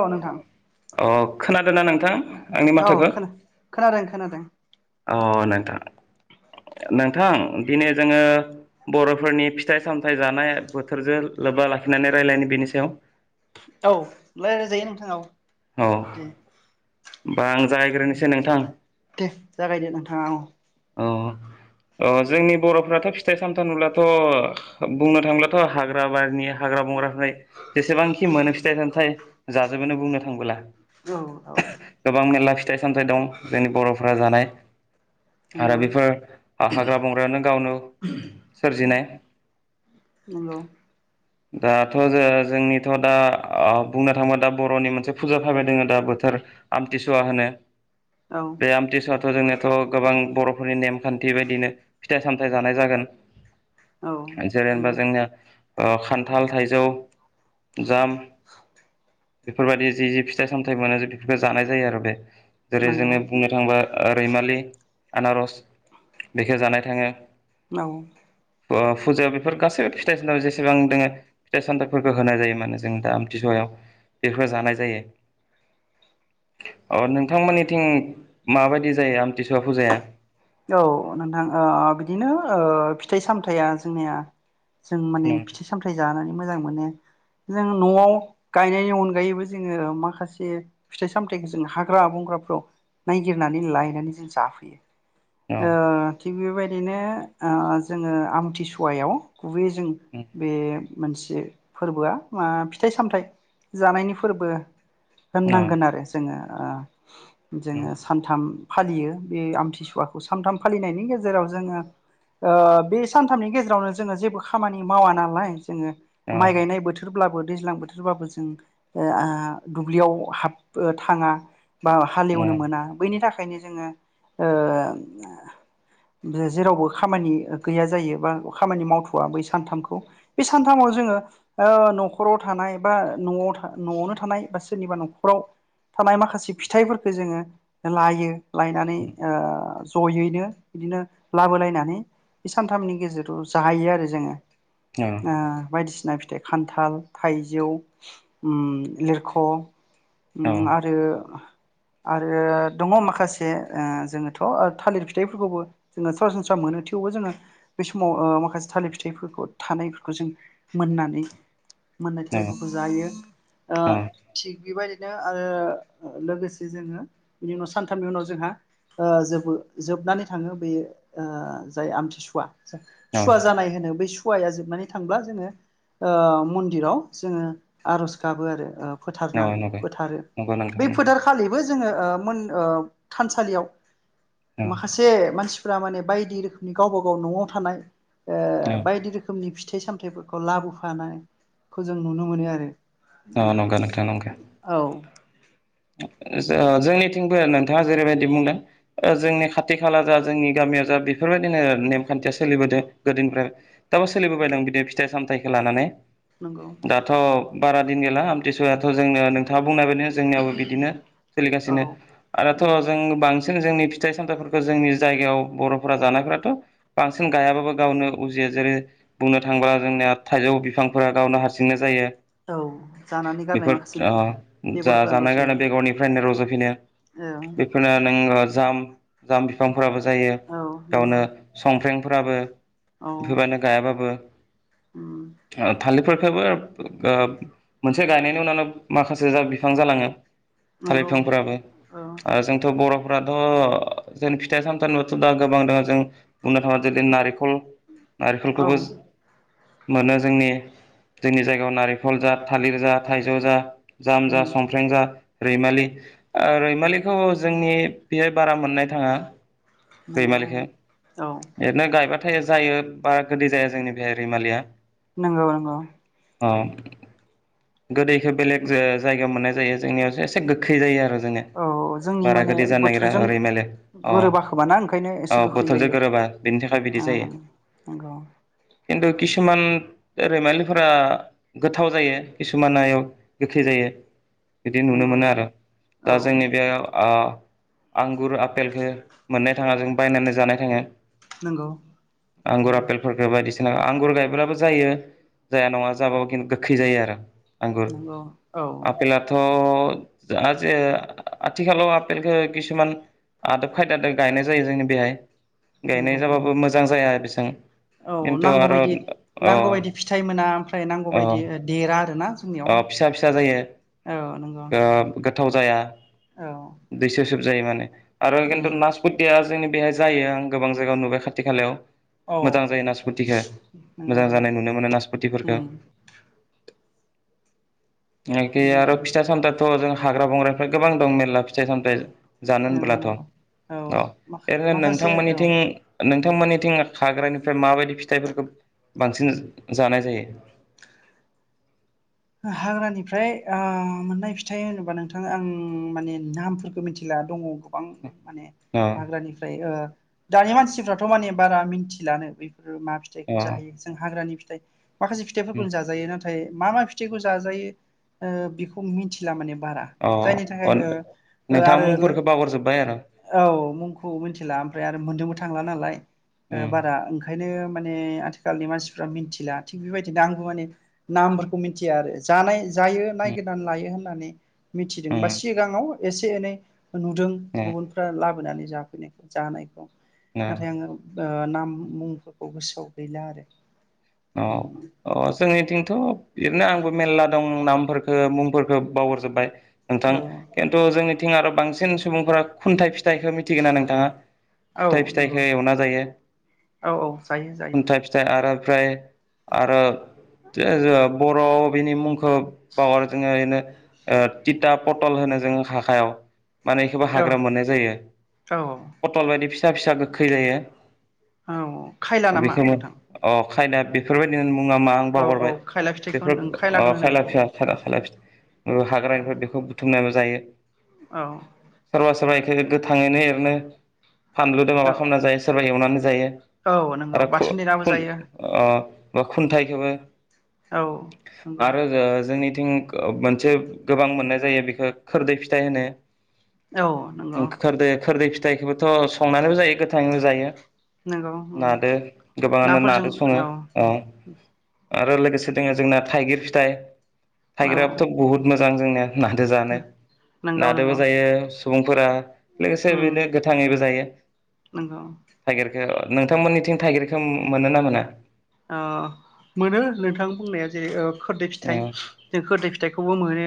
औ नोंथां। अ खोनादों ना नोंथां। आंनि औ माथोखौ खोन खोनादों खोनादों। अ नोंथां नोंथां दिनै जोङो बर'फोरनि फिथाइ-सामथाइ जानाय बोथोरजों लोबबा लाखिनानै राय्लायनो बेनि सायाव औ रायलायजायो नोंथां औ औ दे। होमबा आं जागायग्रोनोसै नोंथां दे जागायदे नोंथाङा औ। अ अ जोंनि बर'फोराथ' फिथाइ सामथाइ नुबलाथ' बुंनो थांब्लाथ' हाग्रा बारिनि हाग्रा बंग्राफोर जेसेबांखि मोनो फिथाइ-सामथाइ जाजोबोनो बुंनो थांबोला औ औ गोबांनि ला फिथाइ सामथाइ दं जोंनि बर'फोरा जानाय आरो नंगौ बेफोर हाग्रा बंग्रायानु गावनु सोरजिनाय ‌। इलौ दाथ' जो-जोंनिथ' दा बुंनो थाङोबा दा बर'नि मोनसे फुजा फायबाय दङ दा बोथोर आमथिसुवा होनो। औ बे आमथिसुवथ' जोंनियाथ' गोबां बर'फोरनि नेमखान्थि बायदिनो फिथाइ सामथायाइ जानाय जागोन। औ जेनबा नंगौ जोंनिया ओ खान्थाल थाइजौ जाम बेफोरबायदि जि जि फिथाइ सामथाइ मोनो बेफोरखौ जानाय जायो आरो बे जेरै नंगौ जोङो बुंनो थांबा रैमालि आनारस बेखौ जानाय थाङो औ अ फुजा बेफोर गासैबो फिथाइ सामथाइ जेसेबां दोङो फिथाइ सामथाइफोरखौ होनाय जायो माने जों दा आमथिसहायाव बेफोर जानाय जायो। अ नोंथांमोननिथिं माबायदि जायो आमथि स सुवा फुजाया [inaudible] औ नोंथां ओ बिदिनो ओ फिथाइ सामथाइया जोंनिया जों माने फिथाइ सामथाइ जानानै मोजां मोनो जों न'आव गायनायनि अनगायैबो जोङो माखासे फिथाइ सामथाइखौ जों हाग्रा बंग्राफ्राव नायगिरनानै लायनानै जों जाफैयो। औ ओ थिग बेबाद दिनो ओ जोङो आमथिसुवायाव गुबै जों बे मोनसे फोरबोआ मा फिथाइ सामथायाइ जानायनि फोरबो। औ होननांगोन आरो जोङो। ओ जोङो सानथाम फालियो बे आमथिसुवा बे सानथाम फालिनायनि गेजेराव जोङो ओ बे सानथामनि गेजेरावनो जोङो जेबो खामानि मावा नालाय ङो औ माइ गायनाय बोथोरब्लाबो दैज्लां बोथोरबाबो जों ओ आ दुब्लियाव हाब थाङा बा हालेवनो मोना बैनि थाखायनो जोङो ओ ओ जेरावबो खामानि गैया जायो बा खामानि मावथ'वा बै सानथामखौ बे सानथामाव जोङो ओ न'खराव थानाय बा न'आव था-न'आवनो थानाय बा सोरनिबा न'खराव थानाय माखासे फिथाइफोरखौ जोङो लायो लायनानै ओ जयैनो बिदिनो लाबोलायनानै बे सानथामनि गेजेराव जाहैयो आरो जोङो ओ बायदिसिना फिथाइखौ खान्थाल थाइजौ उम लिरख' औ उम आरो आरो दंङ माखासे ओ जोङोथ' ओ थालिर फिथाइफोरखौबो जोङो सरासनस्रा मोनो थेवबो जोङो बे समाव ओ माखासे थालिर फिथाइफोरखौ थानायफोरखौ जों मोननानै मोननाय औ थालिरफोरखौ जायो थिग बेबायदि बिदिनो आरो लोगोसे जोङो बिनि उनाव सानथामनि उनाव जोंहा ओ जोबो जोबनानै थाङो बेयो ओ जाय आमथिसुवा औ औ सुवा जानाय होनो बेै सुवाया जो माने थांब्ला जोङो ओ मन्दिराव जोङो आरज गाबो आरो ओ नंगौ फोथारनानै फोथारो नंगौ बे नोंथां नंगौ फोथारखालिबो जोङो ओ मोन ओ थानसालियाव औ माखासे मानसिफ्रा माने बायदि रोखोमनि गावबा गाव नआव थानाय औ ओ बायदि रोखोमनि फि फिथाइ सामथायाइफोरखौ लाबोफानायखौ जों नुनो मोनो आरो औ नंगौ औ औ जो जोंनिथिंबो नोंथाङा जेरैबायदि बुंदों जोंनि खाथि खाला जा जोंनि गामियाव जा बेफोरबायदिनो नेमखान्थिया सोलिबोदों गोदोनिफ्राय दाबो सोलिबोबायदों बिदि फिथाइ सामथायाइखौ लानानै नंगौ दाथ' बारा दिन गैला आमथिसुवआथ' जोंनो नोंथाङा बुंनाय बायदिनो जोंनियाव बिदिनो सोलिगासिनो औ आरोथ' नंगौ जों बांसिन सिन जोंनि फिथाइ सामथाइफोरखौ जोंनि जायगायाव बर'फोरा जानायफोराथ' बांसिन गायाबाबो गावनो उजियो जेरै बुंनो थाङोब्ला जोंनिया थाइजौ बिफांफोरा गावनो हारसिंनो जायो। औ जानानै गारनाय माखासे बेगरफोरानो [unintelligible] रज बेगरनिफ्राय रज'फिनो [unintelligible] जाम जाम बिफांफोराबो जायो औ नंगौ गावनो संफ्रें फोराबो औ बेखौ गायाबाबो उम थालिरफोरखो [unintelligible] मोनसे गायनायनि उनावनो माखासे जा बिफां जालाङो [inaudible] नंगौ थालिरफांफोराबो औ आरो जोंथ' बर' फोराथ' जों फिथाइ सामथाइथ' दा गोबां दङ जों बुंनो थाङा जों नारें खल औ नारेंखौबो उम मोनो जोंनि जोंनि जायगायाव नारेंखल जा थालिर जा थाइजौ जा जाम जा सम रेंजा रैमालि ओ रैमालिखौ जोंनि बेहाय बारा मोननाय थाङा नंगौ रैमालिखौ औ ओरैनो गायबा थाय जायो बारा गोदै जाया जोंनि बेहाय रैमालिया नोंगौ नोंगौ अ गोदैखो बेलेग जाय जायगायाव मोननाय जायो जोंनियावसो एसे गोखै जायो आरो जोंनिया औ जोंनि बारा माने गोदै जानो नागिरा बोथोरजों ओरै माले अ गोरोबाखोबाना ओंखायनो अ एसे गोखै बोथोरजों जायो गोरोबा बेनि थाखाय बिदि ओ जायो नोंगौ खिन्थु किसुमान रैमालिफोरा गोथाव जायो किसुमानायाव गोखै जायो बिदि नुनो नंगौ मोनो आरो दा औ जोंनि बे ओ आंगुर आफपेलखौ मोननाय थाङा जों बायनानै जानाय था नंगौ आंगुर आपेलफोरखौ बायदिसि ओ आंगुर गायब्लाबो जायो जाया नङा जाबाफिन गोखै जायो आरो नंगौ औ अ जो आ जे आथिखालाव आपेलखौ खिसुमान आदब खायदाजों गायनाय जायो जोंनि बेहाय गायनाय नंगौ औ जाबाबो मोजां जाया बेसां औ खिन्थु आरो नांगौबायदि अ नांगौ बायदि फिथाइ मोना ओमफ्राय नांगौ अ बायदि देरा आरोना जोंनियाव अ फिसा फिसा जायो औ नंगौ ओ गोथाव जाया औ जाय माने आरो खिनथु उम नासपथिया जोंनि बेहाय जायो आं गोबां जायगायाव नुबाय खाथि खालायाव औ मोजां जायो नासपतिखौ, नंगौ मोजां नंगौ जानाय नुनो मोनो नासपतफोरखौ उम एखे आरो बेबायदिनो फिथा सामथायाथ' जों हाग्रा बंग्राफ्रा गोबां दं मेर्ला फिथाइ सामथाइ जानो नंगौ होनब्लाथ' औ, नंगौ औ ओरैनो माखासे औ नोंथांमोननिथिं नोंथांमोननिथिं हाग्रानिफ्राय माबायदि फिथाइफोरखौ बांसिन जानाय जायो? हाग्रानिफ्राय ओ मोननाय फिथाइ होनोबा नोंथाङा आं माने नामफोरखौ मिथिला दङ गोबां माने अ हाग्रानिफ्राय ओ दानि मानसिफ्राथ' माने बारा मिन्थिलानो बे ओ मा अ फिथाइखौ जाहायो जों हाग्रानि [inaudible] माखासे उम फिथाइफोरखौनो जाजायो नाथाय मा मा फिथाइ खौ जाजायो बेखौ मिथिला माने बारा, अ जायनि थाखाय अ ओ ओ नोंथाङा आरो मुंफोरखौ बावगारजोब्बाय आरो औ मुंखौ मिथिला ओमफ्राय आरो मोन्नोबो थांला नालाय ओ उम बारा ओंखायनो माने आथिखालनि मानसिफ्रा मिथिला थिग बेबायदिनो आंबो माने नामफोर मिथिया आरो जानाय जायो उम नायगिरनानै लाइयो होनना माने मिथिदों बा उम सिगाङाव एसे एनै नुदों उम गुबुनफ्रा लाबोनानै जाफैनायखौ जानायखौ। उम नाथाय आङो ओ नाम मुंफोरखौ गोसोआव गैला आरो औ औ जोंनिथिंथ' बिदिनो आंबो मेरला दं नामफोरखौ मुंफोरखौ बावहरजोबबाय नोंथां औ खिन्थु जोंनि थिं आरो बांसिन सुबुंफोरा खुन्थाइ फिथाइखौ मिथिगोना नोंथाङा, औ खुन्थाइ नंगौ फिथाइखौ एवना जायो, औ औ जायो जायो खुन्थाइ फिथाइ आरो ओमफ्राय आरो जे बर' बिनि मुंखौ खौ बावगारो जों ओरैनो ओ तिथा पटल होनो जोङो हाखायाव माने बेखौबो औ हाग्रा मोननाय जायो औ पटल बायदि फिसा फिसा गोखै जायो औ खायला नामा बेखौनो नोंथां अ खायना बे बेफोरबायदिनो मुङा मा आं औ औ बावगारबाय खायला फिथाइखौ बेफोर ओ खायलाखौनो होनो खायला बेखौ फिया खायला फि ओ औ हाग्रानिफ्राय बेखौ बुथुमनाय जायो। औ सोरबा सोरबा जेरै गोथाङैनो एरैनो फानलुदों औ माबा खामना जायो सोरबा एवनानै जायो औ नंगौ आरो खु बाथोन देनाबो खुन जायो ओ ओ खुन्थाइखौबो औ नंगौ आरो जों जोंनि थिं ओ मोनसे गोबां मोननाय जायो बेखो खोरदै फिथाइ होनो औ नंगौ ओं खोरदो खोरदै फिथाइखौबोथ' संनानैबो जायो गोथाङैबो जायो नंगौ उम नादो गोबाङानो नाफोरजों नादो सङो औ। आरो लोगोसे दङो जोंना थाइगिर फिथाइ नंगौ थायगिराबोथ' बहुत मोजां जोंनिया नादो जानो नादोबो नंगौ जायो सुबुंफोरा लोगोसे उम बेनो गोथाङैबो जायो नंगौ थाइगिरखौ। नोंथांमोननिथिं थाइगिरखौ मोनो ना मोना? अ मोनो नोंथां बुंनाया जेरै ओ खोरदै औ फिथाइ जों खोरदै फिथाइ बेखौबो मोनो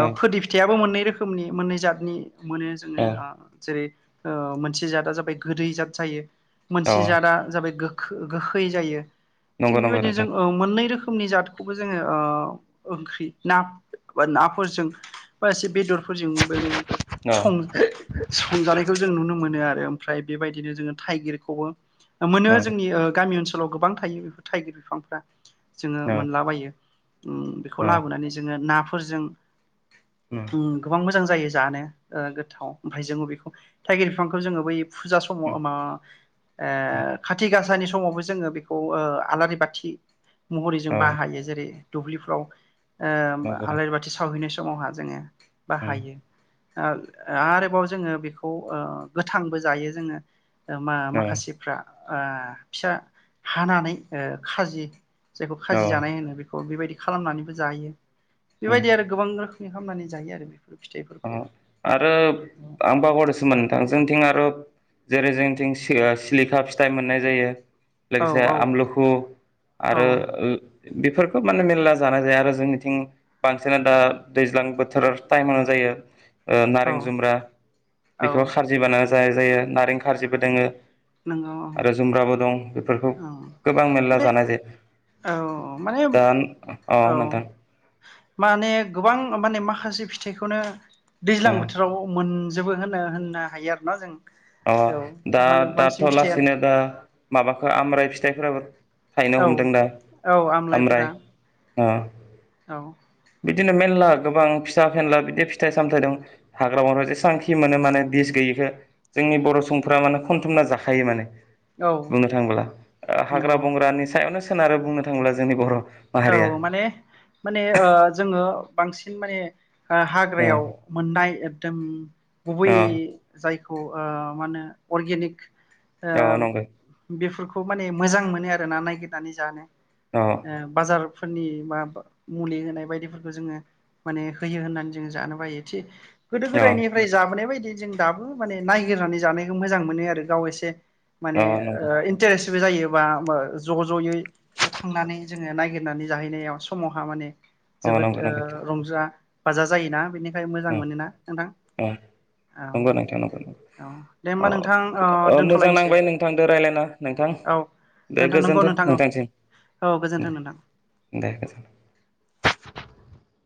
औ खोरदै फिथाइयाबो मोननै रोखोमनि मोननै जातनि मोनो जोङो आ औ जेरै ओ मोनसे जादआ जाबाय गोदै जाद जायो औ मोनसे जादा जाबाय गो खो गोखै जायो। थिग नंगौ नंगौ बेबायदिनो नोंथां जों मोननै रोखोमनि जादखौबो जोङो ओ ओंख्रि ना नाफोरजों बा एसे बेदर फोरजोंबो औ सं-संजानायखौ जों नुनो मोनो आरो ओमफ्राय बेबायदिनो जोङो थाइगिरखौबो मोनो जोंनि ओ गामि ओनसो लाव गोबां थायो बेफोर थाइगिर बिफांफ्रा। जोङो औ मोनलाबायो उम बेखौ औ लाबोनानै जोङो ना फोरजों उम गोबां मोजां जायो। जानो ओ गोथाव ओमफ्राय जोङो बेखौ थाइगिर बिफांखौ जोङो बै फुजा समाव मा औ ओ खाथि गाासानि समावबो जोङो बे औ ओ आलारि बाथि महरै जों अ बाहायो जेरै दुब्लिफ्राव ओम नंगौ आलारि बाथि सावहैनाय समावहा जोङो बाहायो। ओ आरोबाव जोङो बेखौ ओ गोथांबो जायो जोङो ओ मा नंगौ माखासेफ्रा ओ फिसा हानानै ओ खाजि जायखौ औ खाजि जानाय होनो बेखौ बेबायदि खालामनानैबो जायो। बेबायदि आरो गोबां रो बिदि खालामनानै जायो आरो बेफोर ओ फिथाइफोरखौ आरो आं बावगारदोंसोमोन नोंथां जोंनिथिं आरो जेरै जोंनिथिं सिलिखा फिथाइ मोननाय जायो औ लोगोसे औ आमलखु औ आरो ओ बेफोरखौ माने मेरला जानाय जाया आरो जोंनिथिं बांसिना दा दैज्लां बोथोर टाइमाव जायो। [inaudible] ओ औ नारें जुमब्रा औ बेखौबो खारजि बानायना जाय जायो नारें खारजिबो दङो नंगौ आरो जुमब्राबो दं बेफोरखौ औ गोबां मेरला माने जानाय जायो औ माने दा, औ नोंथां। माने गोबां माने माखासे फिथाइखौनो दैज्लां अ बोथोराव मोन जेबो होनो होननो हायो आरो ना जों अह औ दा माने बांसिन दा फिथाइयानो लासैनो दा माबाखौ आमलाय फिथाइ [unintelligible] थायनो औ हमदों दा औ आमलाइफोरा आमलाय अह। औ। बिदिनो मेरला गोबां फिसा फेनला बिदि फिथाइ सामथाइ दं हाग्रा बंग्रा जेसेबांखि मोनो माने बिस गैयिखौ जोंनि बर' सुबुंफ्रा माने खनथुमना जाखायो माने औ बुंनो थाङोब्ला हाग्रा नंगौ बंग्रानि सायावनो सोनारो बुंनो थाङोब्ला जोंनि बर' औ माहारिया माने माने ओ जोङो बांसिन माने ओ ओ हाग्रायाव मोननाय एकदम गुबै ओ जायखौ खौ ओ मा होनो अर्गेनिक ओ औ नंगौ बेफोरखौ माने मोजां मोनो आरोना नागिरनानै जानो औ। [unintelligible] फोरनि बा मुलि होनाय बायदिफोरखौ जोङो माने होयो होननानै जोङो जानो बायो थि गोदो औ गोदायनिफ्राय जाबोनाय बायदि जों दाबो माने नायगिरनानै जानायखौ मोजां मोनो आरो गाव एसे माने औ ओ नंगौ इन्टारेस जायोबा ज' ज'यै थांनानै नागिरनानै जाहैनायाव समावहा माने औ जोबोद नंगौ नंगौ ओ रंजा बाजा जायोना बेनि ओम ओम औ नंगौ नोंथांं औ दे होमबा अ नोंथां ओ मोजां दोनथ'लायनोसै नांबाय नोंथांदो रायज्लायना नोंथां। औ दे नोंथां नंगौ गोजोनथों नोंथां औ औ नोंथांनिसिम। गोजोन्थों नोंथां दे गोजोनथों।